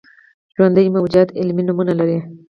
ژوندي موجودات علمي نومونه لري